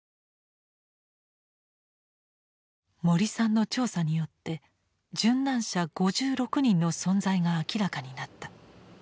森さんの調査によって殉難者５６人の存在が明らかになった。